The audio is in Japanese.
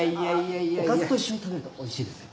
おかずと一緒に食べるとおいしいですよ。